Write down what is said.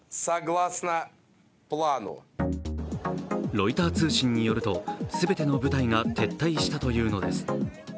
ロイター通信によると全ての部隊が撤退したというのです。